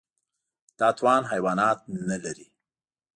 دا توان حیوانات نهلري.